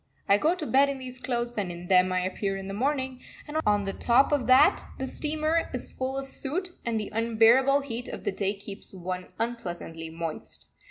I go to bed in these clothes and in them I appear in the morning, and on the top of that the steamer is full of soot, and the unbearable heat of the day keeps one unpleasantly moist.